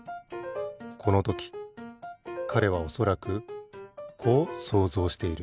このときかれはおそらくこう想像している。